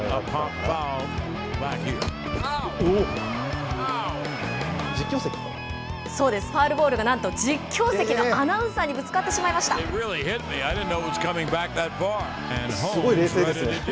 おお、そうです、ファウルボールがなんと実況席のアナウンサーにぶつかってしまいすごい冷静ですよね。